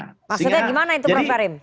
maksudnya gimana itu prof karim